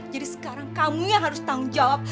sekarang kamu yang harus tanggung jawab